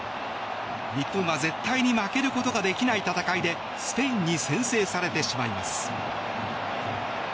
日本は絶対に負けることができない戦いでスペインに先制されてしまいます。